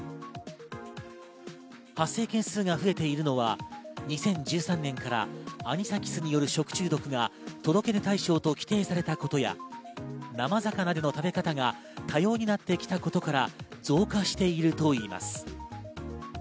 発生件数が増えているのは２０１３年からアニサキスによる食中毒が届け出対象と規定されたことや、生魚での食べ方が多様になってきたことから増加しているといいます。